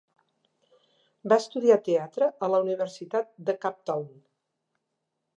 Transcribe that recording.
Va estudiar teatre a la Universitat de Cape Town.